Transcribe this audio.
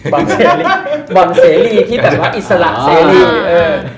บ่อนเซรีที่แบบว่าอิสระเซรี